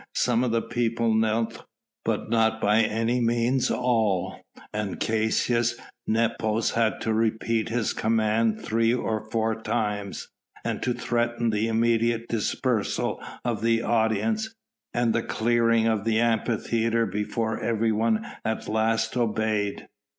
Some of the people knelt, but not by any means all, and Caius Nepos had to repeat his command three or four times, and to threaten the immediate dispersal of the audience and the clearing of the Amphitheatre before everyone at last obeyed.